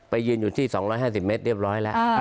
ยืนอยู่ที่๒๕๐เมตรเรียบร้อยแล้ว